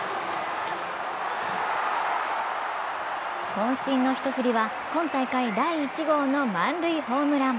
こん身の一振りは今大会第１号の満塁ホームラン。